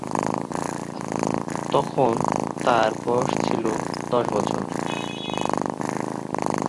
তখন তাঁর বয়স ছিল দশ বছর।